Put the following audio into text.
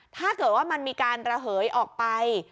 ถ้าเกิดว่ามันมีการระเหยออกไป